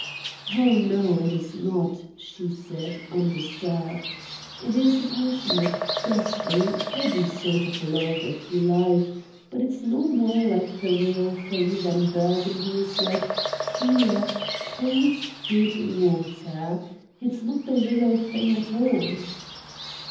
"Oh no, it is not," she said, undisturbed. "It is a passionate, gusty, heady sort of love, if you like, but it's no more like the real thing than burgundy is like clear, cold, good water. It's not the real thing at all."